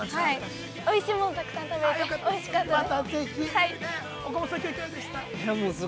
おいしいものをたくさん食べれて、おいしかったです。